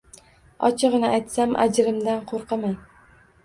Ochig`ini aytsam ajrimdan qo`rqaman